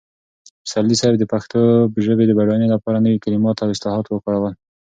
پسرلي صاحب د پښتو ژبې د بډاینې لپاره نوي کلمات او اصطلاحات وکارول.